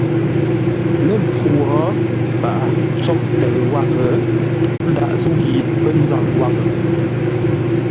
Lə́ mpfu wo; paghʼə tsóʼ ntəʉ wághʼə ə́ ndághʼ zə̂u yi pə́ nzâŋ wághʼə.